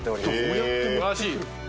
素晴らしい！